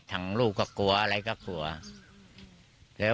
ลูกก็กลัวอะไรก็กลัว